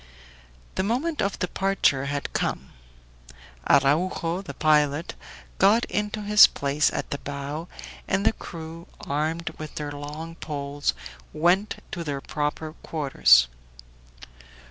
The moment of departure had come. Araujo, the pilot, got into his place at the bow, and the crew, armed with their long poles, went to their proper quarters.